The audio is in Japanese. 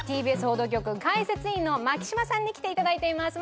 ＴＢＳ報道局解説委員の牧嶋さんに来ていただいています